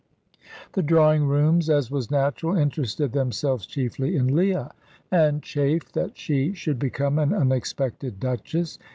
The drawing rooms, as was natural, interested themselves chiefly in Leah, and chafed that she should become an unexpected Duchess.